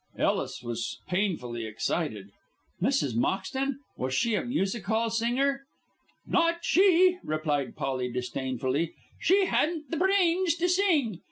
Ellis was painfully excited. "Mrs. Moxton? Was she a music hall singer?" "Not she," replied Polly, disdainfully. "She hadn't the brains to sing.